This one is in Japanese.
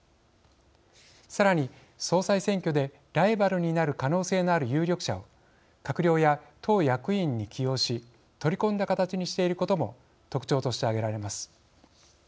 さらに、総裁選挙でライバルになる可能性のある有力者を閣僚や党役員に起用し取り込んだ形にしていることも特徴として挙げられます。